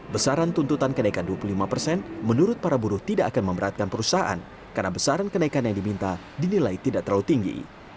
besaran tuntutan kenaikan dua puluh lima persen menurut para buruh tidak akan memberatkan perusahaan karena besaran kenaikan yang diminta dinilai tidak terlalu tinggi